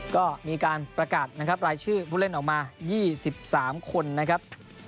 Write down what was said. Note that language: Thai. ก็มีการประกาศนะครับรายชื่อผู้เล่นออกมา๒๓คนนะครับ